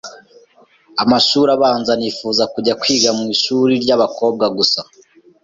amashuri abanza nifuza kujya kwiga mu ishuri ry’abakobwa gusa,